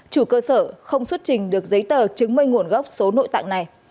chủ cơ sở không xuất trình được giấy tờ chứng minh nguồn gốc số nội tạng này